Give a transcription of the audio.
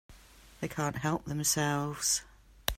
They can't help themselves.